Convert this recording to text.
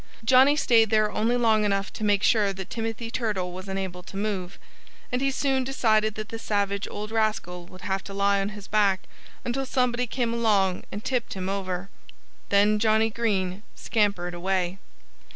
Johnnie stayed there only long enough to make sure that Timothy Turtle was unable to move. And he soon decided that the savage old rascal would have to lie on his back until somebody came along and tipped him over. Then Johnnie Green scampered away.